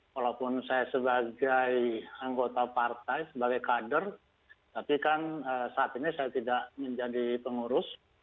walaupun saya sebagai anggota partai sebagai kader tapi kan saat ini saya tidak menjadi pengurus